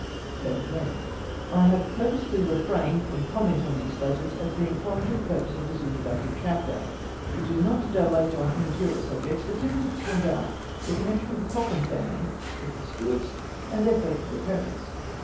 I have purposely refrained "from comment on these letters, as being foreign to the purpose of this intro ductory chapter, which is not to dilate on immaterial subjects, but simply to point out "the connection of the Cochrane family with the Stuarts, and their faithful adherents.